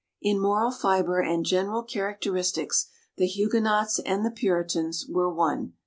In moral fiber and general characteristics the Huguenots and the Puritans were one.